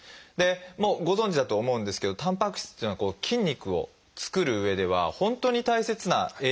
もうご存じだと思うんですけどたんぱく質というのは筋肉を作るうえでは本当に大切な栄養素。